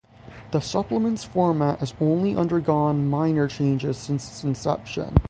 The supplement's format has only undergone minor changes since its inception.